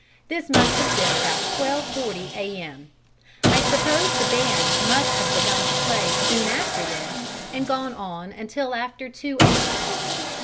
This must have been about 12.40 A.M. I suppose the band must have begun to play soon after this and gone on until after 2 A.M.